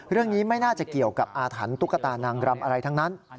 ไม่น่าจะเกี่ยวกับอาถรรพ์ตุ๊กตานางรำอะไรทั้งนั้น